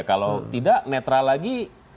kalau tidak netral lagi